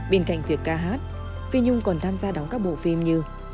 bên cạnh việc ca hát phi nhung còn tham gia đóng các bộ phim như